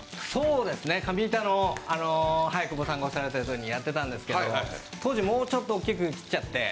上板の久保さんがおっしゃったようにやってたんですけど、当時、もうちょっと大きく切っちゃって。